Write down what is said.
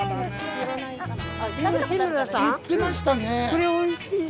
これおいしいよ。